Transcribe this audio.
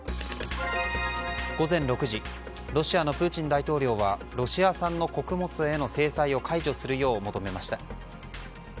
午前６時ロシアのプーチン大統領はロシア産の穀物への制裁を解除するよう求めました。